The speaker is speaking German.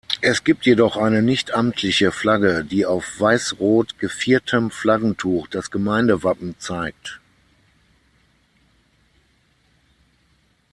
Es gibt jedoch eine nichtamtliche Flagge, die auf weiß-rot-geviertem Flaggentuch das Gemeindewappen zeigt.